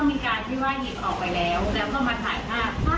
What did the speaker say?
มันไม่ใช่ก็ตกใจมากค่ะ